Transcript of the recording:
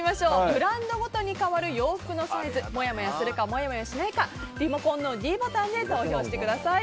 ブランドごとに変わる洋服のサイズもやもやするかもやもやしないかリモコンのｄボタンで投票してください。